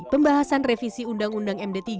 pembahasan revisi undang undang md tiga